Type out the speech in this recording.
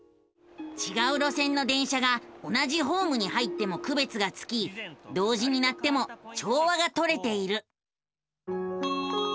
ちがう路線の電車が同じホームに入ってもくべつがつき同時に鳴っても調和がとれている。